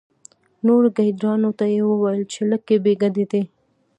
نورو ګیدړانو ته یې وویل چې لکۍ بې ګټې دي.